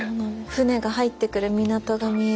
船が入ってくる港が見えて。